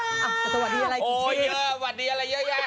อ้าวสวัสดีอะไรจริงโอ้เยอะสวัสดีอะไรเยอะ